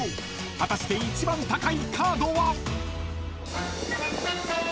果たして一番高いカードは？］